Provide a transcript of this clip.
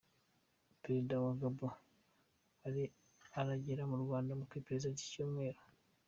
Perezida wa Gabon aragera mu Rwanda mu mpera z’iki Cyumweru